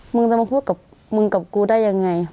มึงจะมาพูดกับมึงกับกูได้ยังไง